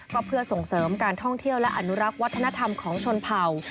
ก็เพื่อส่งเสริมการท่องเที่ยวและอนุรักษ์วัฒนธรรมของชนเผ่า